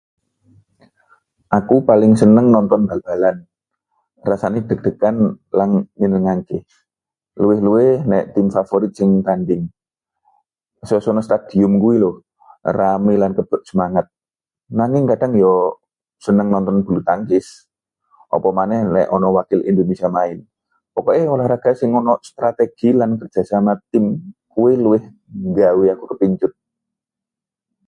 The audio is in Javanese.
Aku paling seneng nonton bal-balan. Rasane deg-degan lan nyenengke, luwih-luwih nek tim favorit lagi tanding. Suasanane stadion kuwi lho, rame lan kebak semangat. Nanging kadang yo seneng nonton bulu tangkis, apamaneh nek ana wakil Indonesia main. Pokoke olahraga sing ana strategi lan kerjasama tim kuwi luwih nggawe aku kepincut.